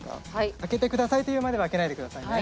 開けてくださいと言うまでは開けないでくださいね。